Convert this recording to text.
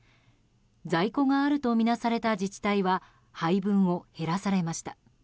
在庫があるとみなされた自治体は配分を減らされました。